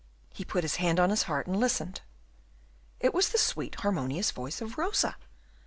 He put his hand on his heart, and listened. It was the sweet harmonious voice of Rosa.